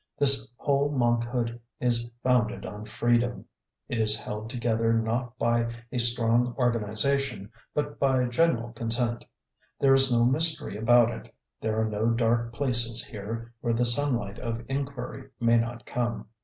This whole monkhood is founded on freedom. It is held together not by a strong organization, but by general consent. There is no mystery about it, there are no dark places here where the sunlight of inquiry may not come.